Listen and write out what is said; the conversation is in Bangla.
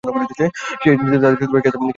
সেই এজেন্সি তাদেরকে কেস এবং অপারেশন পাঠায়।